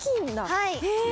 はい。